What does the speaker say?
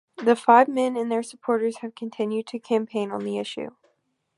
The five men and their supporters have continued to campaign on the issue.